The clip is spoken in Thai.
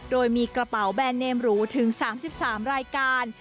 โดยมีกระเป๋าแบรนดเนมหรูถึง๓๓รายการ